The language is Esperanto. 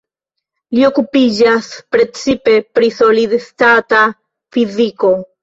Li okupiĝas precipe pri solid-stata fiziko.